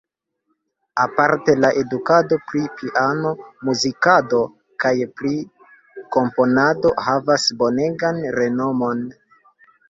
Aparte la edukado pri piano-muzikado kaj pri komponado havas bonegan renomon.